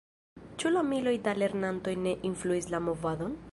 Ĉu la miloj da lernantoj ne influis la movadon?